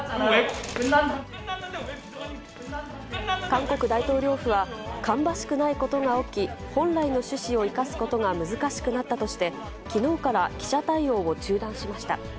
韓国大統領府は、芳しくないことが起き、本来の趣旨を生かすことが難しくなったとして、きのうから記者対応を中断しました。